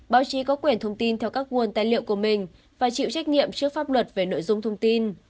báo chí có quyền thông tin theo các nguồn tài liệu của mình và chịu trách nhiệm trước pháp luật về nội dung thông tin